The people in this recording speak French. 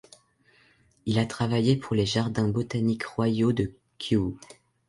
Il a travaillé pour les Jardins botaniques royaux de Kew.